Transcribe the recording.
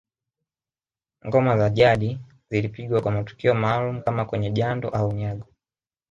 Ngoma za jadi zilipigwa kwa matukio maalumu kama kwenye jando au unyago